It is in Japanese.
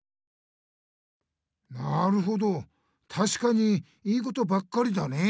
なるほどたしかにいいことばっかりだねえ！